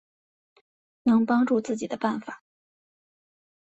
能帮助自己的办法